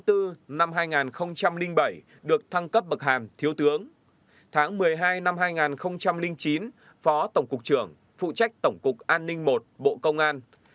từ một nghìn chín trăm chín mươi bảy đến hai nghìn sáu phó trưởng phòng tổng cục an ninh bộ công an